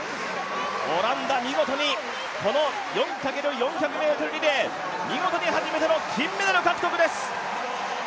オランダ、見事にこの４×４００ｍリレー見事に初めての金メダル獲得です。